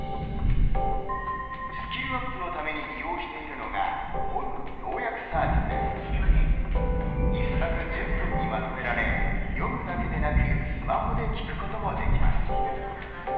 スキルアップのために利用しているのが一冊１０分にまとめられ読むだけでなくスマホで聴くこともできます。